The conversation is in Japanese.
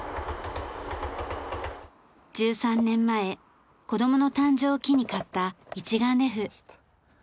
１３年前子供の誕生を機に買った一眼レフ。